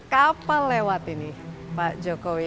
kapal lewat ini pak jokowi